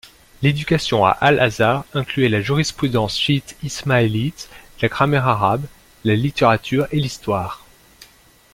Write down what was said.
L’éducation à Al-Azhar incluait la jurisprudence chiite-ismaélite, la grammaire arabe, la littérature et l’histoire.